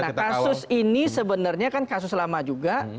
nah kasus ini sebenarnya kan kasus lama juga